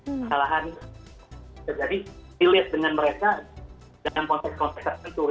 masalahan jadi relate dengan mereka dalam konteks konteks tertentu